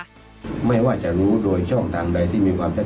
และก็ไม่ได้ยัดเยียดให้ทางครูส้มเซ็นสัญญา